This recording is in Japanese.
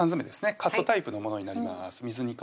カットタイプのものになります水煮缶です